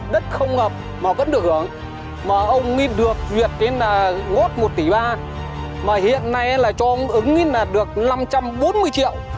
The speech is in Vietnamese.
đất không ngập mà vẫn được hưởng mà ông nghĩ được duyệt tên là ngốt một tỷ ba mà hiện nay là cho ông ứng nghĩ là được năm trăm bốn mươi triệu